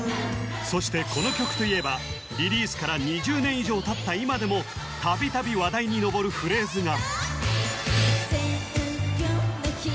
そしてこの曲といえばリリースから２０年以上たった今でも度々話題に上るフレーズがＬＥＴ’ＳＧＯ！